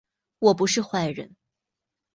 我不是坏人